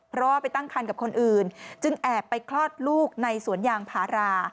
เพราะว่าไปตั้งคันกับคนอื่นจึงแอบไปคลอดลูกในสวนยางพารา